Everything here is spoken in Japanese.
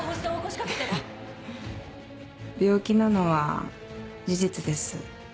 （しおり病気なのは事実です。